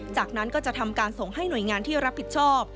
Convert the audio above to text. จากนั้นก็จะทำการส่งให้หน่วยงานที่รับผิดชอบ